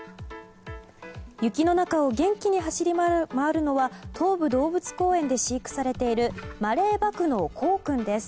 雪の中を元気に走り回るのは東武動物公園で飼育されているマレーバクのコウ君です。